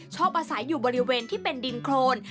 ชอบอาศัยอยู่บริเวณที่เป็นดินโครน